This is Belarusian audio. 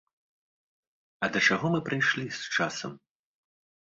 А да чаго мы прыйшлі з часам?